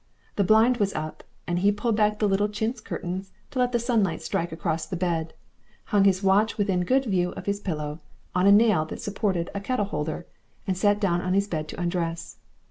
The blind was up, and he pulled back the little chintz curtains to let the sunlight strike across to the bed, hung his watch within good view of his pillow, on a nail that supported a kettle holder, and sat down on his bed to undress.